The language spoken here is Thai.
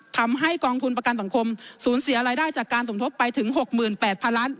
ทำให้กองทุนประกันสังคมสูญเสียรายได้จากการสมทบไปถึง๖๘๐๐๐ล้าน